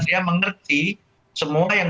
dia mengerti semua yang